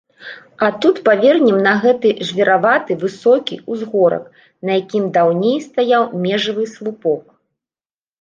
А тут павернем на гэты жвіраваты высокі ўзгорак, на якім даўней стаяў межавы слупок.